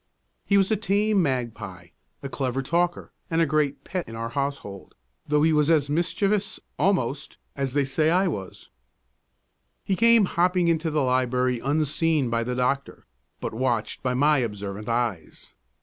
He was a tame magpie, a clever talker, and a great pet in our household, though he was as mischievous, almost, as they said I was. He came hopping into the library, unseen by the doctor, but watched by my observant eyes.